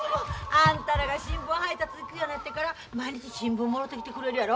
あんたらが新聞配達行くようになってから毎日新聞もろてきてくれるやろ。